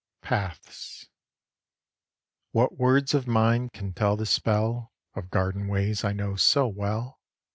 PATHS I. What words of mine can tell the spell Of garden ways I know so well?